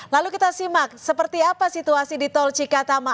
lalu kita simak seperti apa situasi di tol cikatama